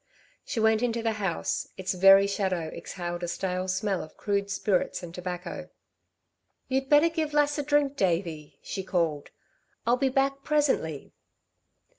She went into the house; its very shadow exhaled a stale smell of crude spirits and tobacco. "You'd better give Lass a drink, Davey," she called. "I'll be back presently."